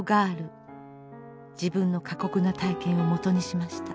自分の過酷な体験をもとにしました。